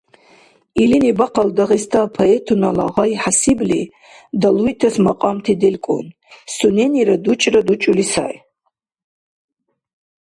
Илини бахъал Дагъиста поэтунала гъай хӀясибли далуйтас макьамти делкӀун, сунени дучӀра-дучӀули сай.